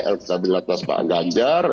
elektabilitas pak ganjar